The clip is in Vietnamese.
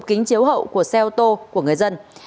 kính chiếu hậu của xe ô tô của người dân